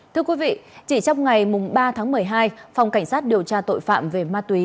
thưa quý vị chỉ trong ngày ba tháng một mươi hai phòng cảnh sát điều tra tội phạm về ma túy